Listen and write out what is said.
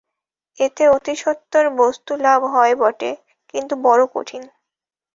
এতে অতি সত্বর বস্তুলাভ হয় বটে, কিন্তু বড় কঠিন।